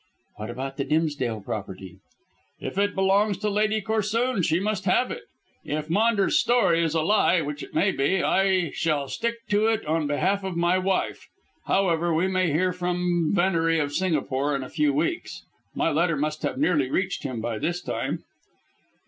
"What about the Dimsdale property?" "If it belongs to Lady Corsoon she must have it; if Maunders' story is a lie, which it may be, I shall stick to it on behalf of my wife. However, we may hear from Venery of Singapore in a few weeks. My letter must have nearly reached him by this time."